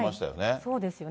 そうですよね。